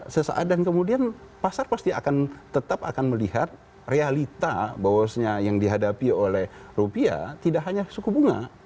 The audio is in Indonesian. sesaat dan kemudian pasar pasti akan tetap akan melihat realita bahwasanya yang dihadapi oleh rupiah tidak hanya suku bunga